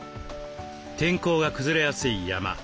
天候が崩れやすい山